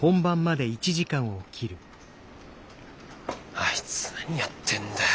あいつ何やってんだよ。